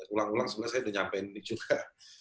ulang ulang sebenarnya saya sudah menyampaikan ini juga